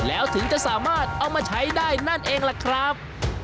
แล้วถึงจะสามารถเอามาใช้ได้นั่นเองล่ะครับ